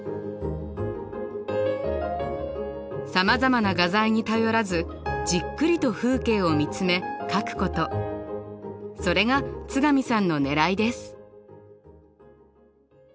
さまざまな画材に頼らずじっくりと風景を見つめ描くことそれが津上さんのねらいです。